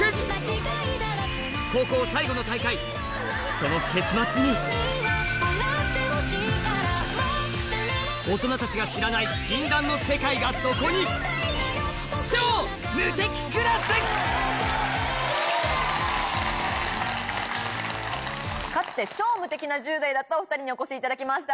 さらに大人たちが知らない禁断の世界がそこにかつて超無敵な１０代だったお２人にお越しいただきました。